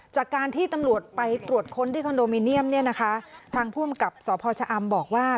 จากการที่ตำรวจไปตรวจค้นที่ค้นโดมิเนียมทางภูมิกับสพชะอำบอกว่า